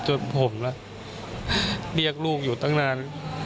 จนผมเรียกลูกอยู่ตั้งนาน